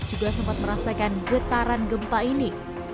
juga sempat merasakan getaran gempa ini